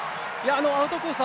アウトコース